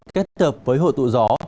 kết hợp với hội tụ gió